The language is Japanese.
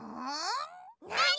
なに？